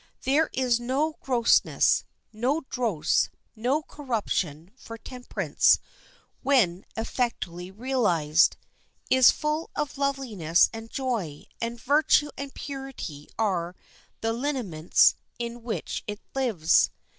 There is no grossness, no dross, no corruption, for temperance, when effectually realized, is full of loveliness and joy, and virtue and purity are the lineaments in which it lives.